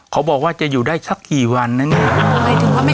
เขาบอกว่าจะอยู่ได้สักกี่วันนะเนี่ย